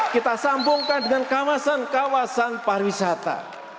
kita sambungkan dengan kawasan kawasan pariwisata